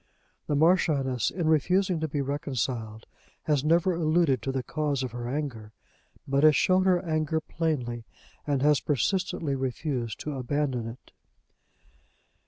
The Marchioness, in refusing to be reconciled, has never alluded to the cause of her anger, but has shown her anger plainly and has persistently refused to abandon it.